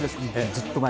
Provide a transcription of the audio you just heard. ずっと前。